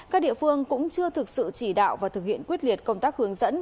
các địa phương cũng chưa thực sự chỉ đạo và thực hiện quyết liệt công tác hướng dẫn